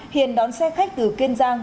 hiền đón xe khách từ kiên giang